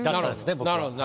僕は。